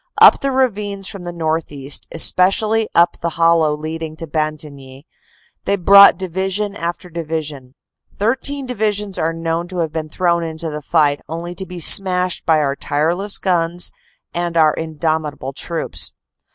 Up the ravines from the northeast, espe cially up the hollow leading to Bantigny, they brought division after division; 13 divisions are known to have been thrown into the fight, only to be smashed by our tireless guns and our in domitable troops.